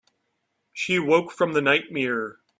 She awoke from the nightmare.